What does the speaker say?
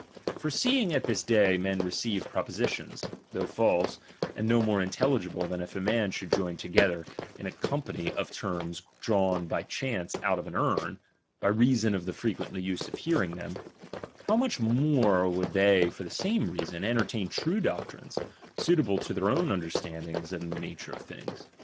For seeing at this day men receive propositions, though false, and no more intelligible than if a man should join together a company of terms drawn by chance out of an urn, by reason of the frequent use of hearing them ; how much more would they for the same reason entertain true doctrines, suitable to their own understand ings and the nature of things